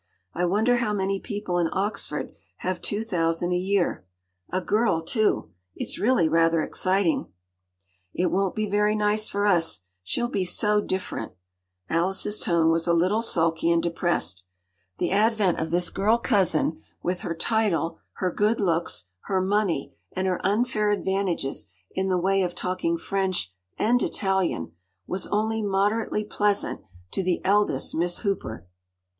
“I wonder how many people in Oxford have two thousand a year? A girl too. It’s really rather exciting.” “It won’t be very nice for us—she’ll be so different.” Alice’s tone was a little sulky and depressed. The advent of this girl cousin, with her title, her good looks, her money, and her unfair advantages in the way of talking French and Italian, was only moderately pleasant to the eldest Miss Hooper.